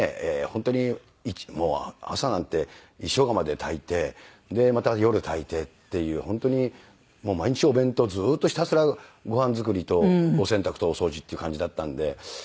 本当に朝なんて一升釜で炊いてでまた夜炊いてっていう本当に毎日お弁当ずっとひたすらご飯作りとお洗濯とお掃除っていう感じだったんで。